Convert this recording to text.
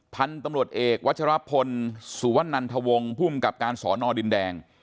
พันธุ์ตำรวจเอกวัชรพลสุวนันทวงภูมิกับการสอนอดินแดง